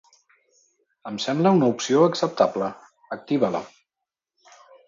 Em sembla una opció acceptable. Activa-la!